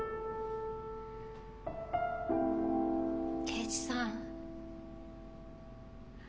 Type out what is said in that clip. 刑事さん。